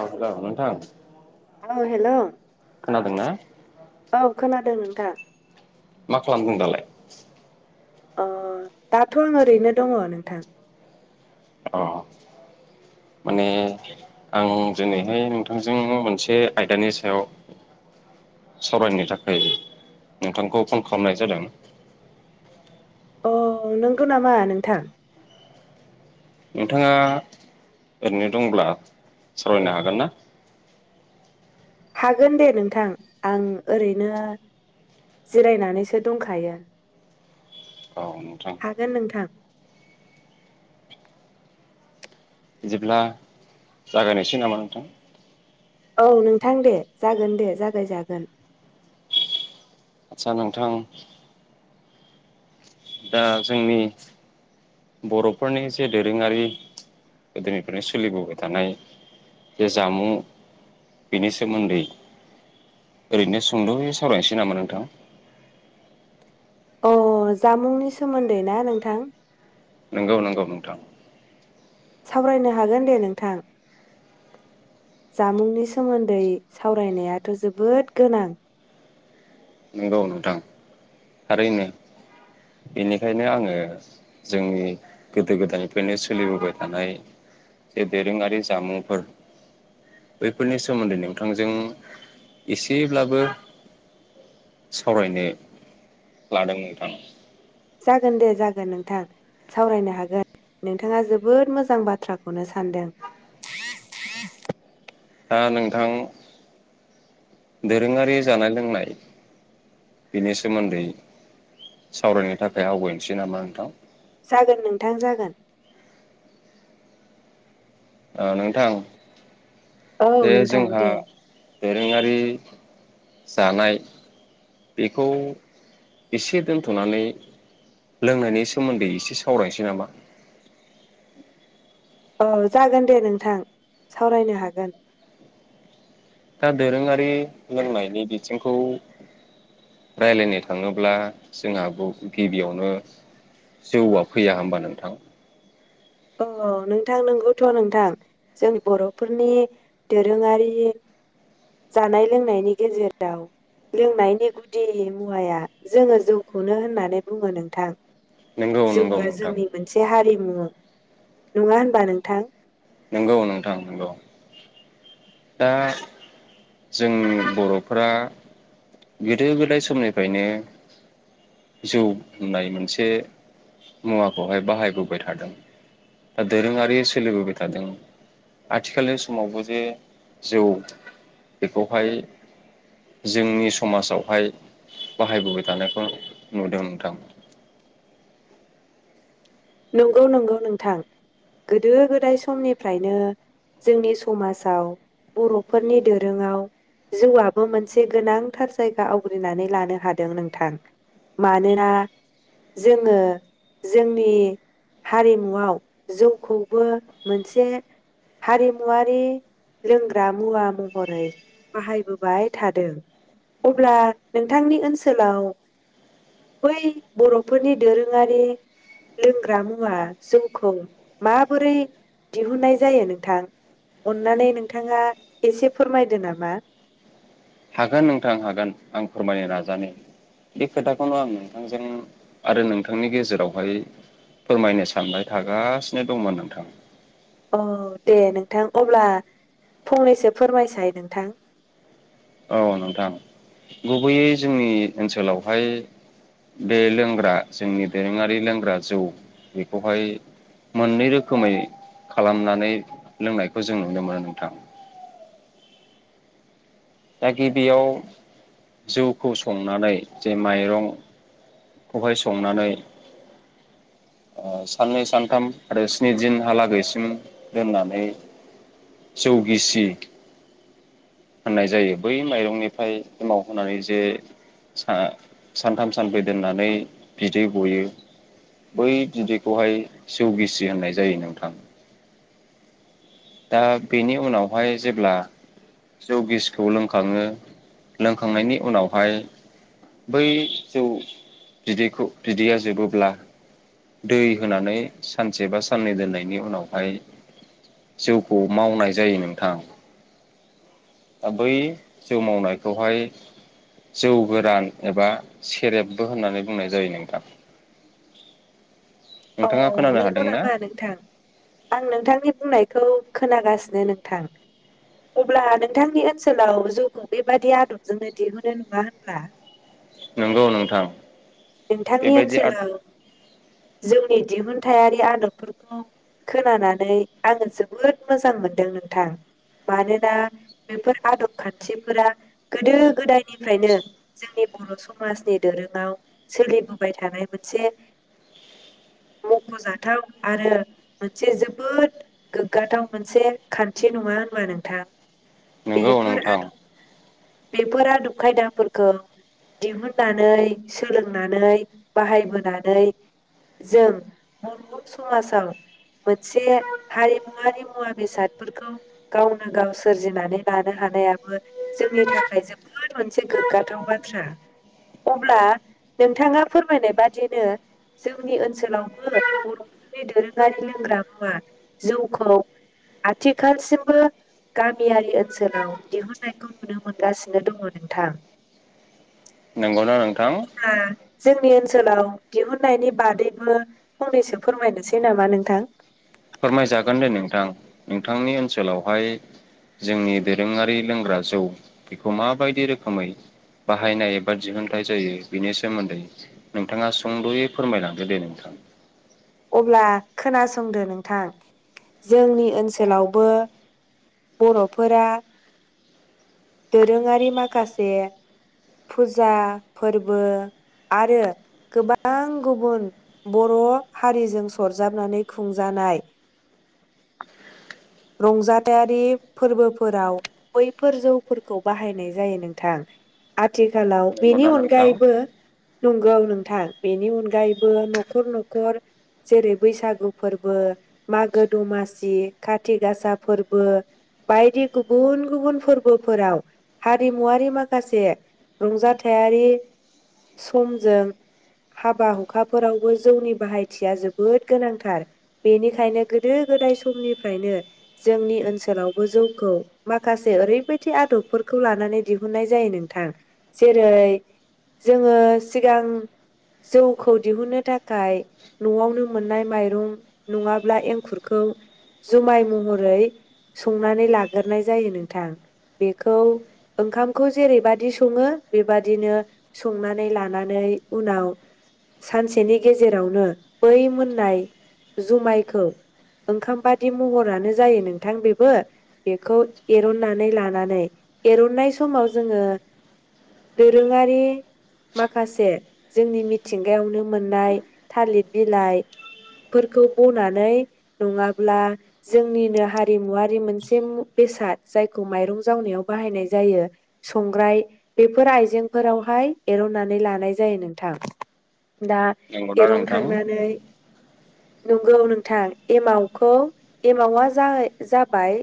औे नोंथां औ हेलौ खोनादोंना। दा मा खालामदों दालाय? अ दाथ' आं ओरैनो दङ नोंथां। औ माने आं दिनैहाय नोंथांजों मोनसे आयदानि सायाव सावरायनो थाखाय नोंथांखौ फन खालामनाय जादों। अ नंगौ नामा नोंथां? नोंथाङा ओरैनो दंब्ला सावरायनो हागोन ना? हागोन दे नोंथां आं ओरैनो जिरायनानैसो दंखायो। औ नोंथां हागोन नोंथां। बिदिब्ला जागायनायसै नामा नोंथां? औ नोंथां दे जागोन दे जागायजागोन। आतसा नोंथां दा जोंनि बर'फोरनि जे दोरोङारि गोदोनिफ्रायनो सोलिबोबाय थानाय जे जामुं बेनि सोमोन्दै ओरैनो सुंद' सावरायनोसै नामा नोंथां? औ औ जामुंनि सोमोन्दै ना नोंथां? नंगौ नंगौ नोंथां सावरायनो हागोन दे नोंथां जामुंनि सोमोन्दै सावरायनायाथ' जोबोद गोनां। नंगौ नोंथां थारैनो बेनिखायनो आङो जोंनि गोदो-गोदायनिफ्रायनो सोलिबोबाय थानाय जे दोरोङारि जामुंफोर बैफोरनि सोमोन्दै नोंथांजों एसेब्लाबो सावरायनो लादों नोंथां जागोन दे जागोन नोंथां सावरायनो हागोन नोंथाङा जोबोद मोजां बाथ्राखौनो सानदों दा नोंथां दोरोङारि जानाय लोंनाय बेनि सोमोन्दै सावरायनो थाखाय आवगायनोसै नामा नोंथां। जागोन नोंथां जागोन। ओ नोंथां औ ओ नोंथां जोंहा दे दोरोङारि जानाय बेखौ एसे दोन्थ'नानै लोंनायनि सोमोन्दै एसे सावरायनोसै नामा औ जागोन दे नोंथां सावरायनो हागोन। दा दोरोङारि लोंनायनि बिथिंखौ रायलायनो थाङोब्ला जोंहो गिबियावनो जौआ फैया होनबा नोंथां। अ नोंथां नंगौथ' नोंथां जों बर'फोरनि दोरोङारि जानाय लोंनायनि गेजेराव लोंनायनि गुदि मुवाया जोङो जौखौनो होननानै बुङो नोंथां नंगौ नंगौ जौआ नोंथां जोंनि मोनसे हारि उम नङा होनबा नोंथां। नंगौ नोंथां नंगौ दा जों बर'फोरा गोदो गोदाय समनिफ्रायनो जौ होननाय मोनसे मुवाखौहाय बाहायबोबाय थादों दा दोरोङारि सोलिबो थादों आथिखालनि समावबो जे जौ बेखौहाय जोंनि समाजावहाय बाहायबोबाय थानायखौ नुदों नोंथां नंगौ नंगौ नोंथां गोदो गोदाय समनिफ्रायनो जोंनि समाजाव बर'फोरनि दोरोंआव जौआबो मोनसे गोनांथार जायगा आवग्रिनानै लानो हादों नोंथां मानोना जोङो जोंनि हारिमुआव जौखौबो मोनसे हारिमुवारि लोंग्रा मुवा महरै बाहायबोबाय थादों अब्ला नोंथांनि ओनसोलाव बै बर'फोरनि दोरोङारि लोंग्रा मुवा जौखौ माबोरै दिहुनाय जायो नोंथां अननानै नोंथाङा एसे फोरमायदो नामा हागोन नोंथां हागोन आं फोरमायनो नाजानि बे खोथाखौनो आं नोंथांजों आरो नोंथांनि गेजेरावहाय फोरमायनो सानबाय थागासिनो दंमोन नोंथां औ दे नोंथां अब्ला फंनैसो फोरमायसाय नोंथां औ नोंथां गुबैयै जोंनि ओनसोलावहाय बे लोंग्रा जोंनि दोरोङारि लोंग्रा जौ बेखौहाय मोननै रोखोमै खालामनानै लोंनायखौ जों नुनो मोनो नोंथां दा गिबियाव जौखौ संनानै जे माइरं खौहाय संनानै ओ साननै सानथाम आरो स्नि दिनहालागैसिम दोननानै जौ गिसि होननाय जायो बै माइरंनिफ्राय एमाव होनानै जे सा सानथाम सानब्रै दोननानै बिदै गयो बै बिदैखौहाय जौ गिसि होननाय जायो नोंथां दा बेनि उनावहाय जेब्ला जौ गेसिखौ लोंखाङो लोंखांनायनि उनावहाय बै जौ बिदैखौ बिदैया जोबोब्ला दै होनानै सानसे बा साननै दोननायनि उनावहाय जौखौ मावनाय जायो नोंथां दा बै जौ मावनायखौहाय जौ गोरान एबा सेरेबबो होननानै बुंनाय जायो नोंथां अ नोंथाङा खोनानो नंगौ हादोंना नामा नोंथां आं नोंथांनि बुंनाय खौ खोनागासिनो नोंथां अब्ला नोंथांनि ओनसोलाव जौखौ बेबादि आदबजोंनो दिहुनो नङा होनब्ला नंगौ नोंथां नोंथांनि बेबायदि आद ओनसोलाव जौ नि दिहुनथायारि आदबफोरखौ खोनानानै आङो जोबोद मोजां मोनदों नोंथां मानोना बेफोर आदब खान्थिफोरा गोदो गोदायनिफ्रायनो जोंनि बर' समाजनि दोरोङाव सोलिबोबाय थानाय मोनसे मख'जाथाव आरो मोनसे जोबोद गोग्गाथाव मोनसे खान्थि नङा होनबा नोंथां नंगौ बेफोर नोंथां आदब बेफोर आदब खायदाफोरखौ दिहुननानै सोलों नानै बाहायबोनानै जों बर' समाजाव मोनसे हारिमुवारि मुवा बेसादफोरखौ गावनो गाव सोरजिनानै लानो हानायाबो जोंनि थाखाय जोबोद मोनसे गोग्गाथाव बाथ्रा अब्ला नोंथाङा फोरमायनाय बादिनो जोंनि ओनसोलावबो बर'फोरनि दोरोङारि लोंग्रा मुवा जौखौ आथिखालसिमबो गामियारि ओनसोलाव दिहुननायखौ नुनो मोनगासिनो दङ नोंथां। नंगौना नोंथां? [unintelligible] जोंनि ओनसोलाव दिहुननायनि बादैबो फंनैसो फोरमायनोसै नामा नोंथां फोरमायजागोन दे नोंथां नोंथांनि ओनसोलावहाय जोंनि दोरोङारि लोंग्रा जौ बेखौ माबायदि रोखोमै बाहायनाय एबा दिहुनथाइ जायो बेनि सोमोन्दै नोंथाङा सुंद'यै फोरमायलांदो दे नोंथां अब्ला खोनासंदो नोंथां जोंनि ओनसोलावबो बर'फोरा दोरोङारि माखासे फुजा फोरबो आरो गोबां गुबुन बर' हारिजों सरजाबनानै खुंजानाय रंजाथाइयारि फोरबोफोराव बैफोर जौफोरखौ बाहायनाय जायो नोंथां आथि आथिखालाव बेनि नंगौना नोंथां अनगायैबो नंगौ नोंथां बेनि अनगायैबो न'खर न'खर जेरै बैसागु फोरबो मागो दमासि खा खाथि गासा फोरबो बायदि गुबुन गुबुन फोरबोफोराव हारिमुवारि माखासे रंजाथाइारि समजों हाबा हुखाफोरावबो जौनि बाहायथिया जोबोद गोनांथार बेनिखायनो गोदो गोदाय समनि फ्रायनो जोंनि ओनसोलावबो जौखौ माखासे ओरैबायदि आदबफोरखौ लानानै दिहुननाय जायो नोंथां जेरै जोङो सिगां जौखौ दिहुननो थाखाय न'आवनो मोननाय माइरं नङाब्ला एंखुरखौ जुमाय महरै संनानै लाग्रोनाय जायो नोंथां बेखौ ओंखामखौ जेरैबादि सङो बेबादिनो संनानै लानानै उनाव सानसेनि गेजेरावनो बै मोननाय जुमायखौ ओंखाम बादि बिदि महरानो जायो नोंथां बेबो बेखौ एर'ननानै लानानै एर'ननाय समाव जोङो दोरोङारि माखासे जोंनि मिथिंगायावनो मोननाय थालिर बिलाइफोरखौ बनानै नङा अब्ला जोंनिनो हारिमुवारि मोनसे बेसाद जायखौ माइरं जावनायाव बाहायनाय जायो संग्राय बेफोर आइजेंफोरावहाय एर'नानै लानाय जायो नोंथां दा नंगौना नोंथां एरनखांनानै नंगौ नोंथां एमाव खौ एमावा जा-जाबाय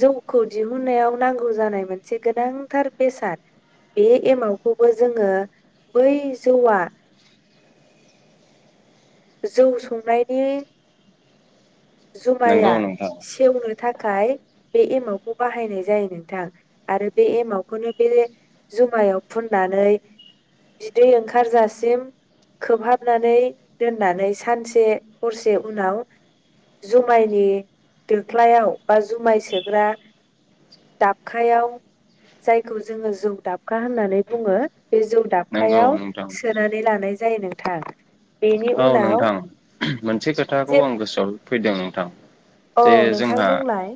जौखौ दिहुनायाव नांगौ जानाय मोनसे गोनांथार बेसाद बे एमावखौबो जोङो बै जौआ जौ संनायनि जुमाया नंगौ नोंथां सेवनो थाखाय थाखाय बे एमावखौ बाहायनाय जायो नोंथां आरो बे एमावखौनो बे जुमायाव फुननानै बिदै ओंखारजासिम खोबहाबनानै दोननानै सानसे हरसे उनाव जुमायनि दोख्लायाव बा जुमाय सोग्रा दाबखायाव जायखौ जोङो जौ दाबखा होननानै बुङो बे जौ नंगौ दाबखायाव नोंथां सोनानै लानाय जायो नोंथां बेनि औ उनाव नोंथां मोनसे खोथाखौ जे आं गोसोआव फैदों नोंथां थां औ जे नोंथां जोंहा बुंलाय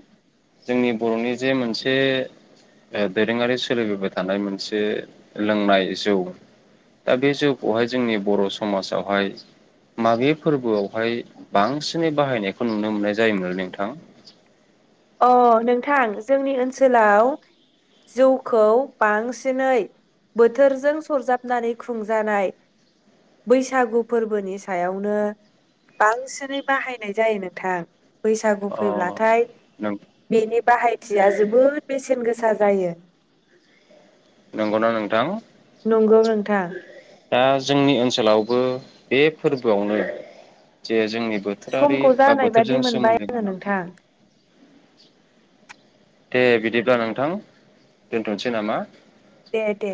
जोंनि बर'नि जे मोनसे जे ओ दोरोङारि सोलिबोबाय थानाय मोनसे लोंनाय जौ दा बे जौखौहाय जोंनि बर' समाजावहाय माबे फोरबोआवहाय बांसिनै बाहायनायखौ नुनो मोननाय जायोमोन नोंथां? अ नोंथां जोंनि ओनसोलाव जौखौ बांसिनै बोथोरजों सरजाबनानै खुंजानाय बैसागु फोरबोनि सायावनो बांसिनै बाहायनाय जायो नोंथां बैसागु अ फैब्लाथाय नों बेनि बाहायथिया जोबोर बेसेन गोसा जायो नंगौना नोंथां नंगौ नोंथां दा जोंनि ओनसोलावबो बे फोरबोआवनो जे जोंनि बोथोरारि समखौ बा जानाय बादि बोथोरजों मोनबाय सोमोन्दो आङो गोनां नोंथां दे बिदिब्ला नोंथां दोनथ'सै नामा? दे दे